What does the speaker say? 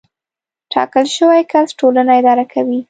ټاکل شوی کس ټولنه اداره کوي.